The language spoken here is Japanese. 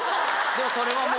でもそれはもう。